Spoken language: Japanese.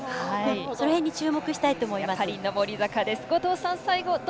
それに注目したいと思います。